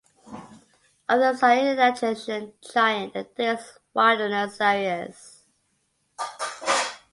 Others are in the adjacent Giant and Dix wilderness areas.